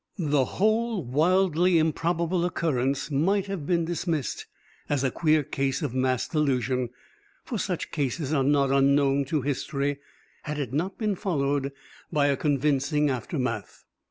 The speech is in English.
The whole wildly improbable occurrence might have been dismissed as a queer case of mass delusion, for such cases are not unknown to history, had it not been followed by a convincing aftermath.